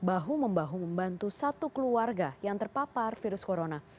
bahu membahu membantu satu keluarga yang terpapar virus corona